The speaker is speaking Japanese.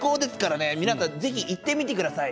ぜひ皆さん、行ってみてください。